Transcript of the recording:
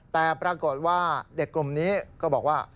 แต่ปรากฏว่าเด็กกลุ่มนี้ก็บอกว่า